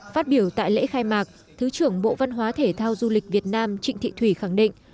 phát biểu tại lễ khai mạc thứ trưởng bộ văn hóa thể thao du lịch việt nam trịnh thị thủy khẳng định